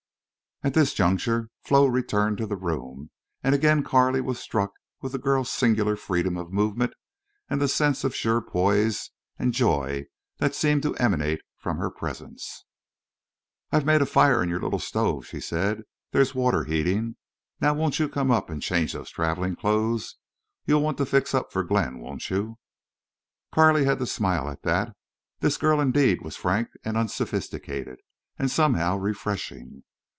At this juncture Flo returned to the room, and again Carley was struck with the girl's singular freedom of movement and the sense of sure poise and joy that seemed to emanate from her presence. "I've made a fire in your little stove," she said. "There's water heating. Now won't you come up and change those traveling clothes. You'll want to fix up for Glenn, won't you?" Carley had to smile at that. This girl indeed was frank and unsophisticated, and somehow refreshing.